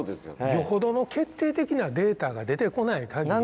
よほどの決定的なデータが出てこない限り。